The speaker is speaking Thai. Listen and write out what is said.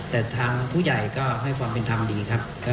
แต่ทางผู้ใหญ่ก็ให้ความเป็นธรรมดีครับ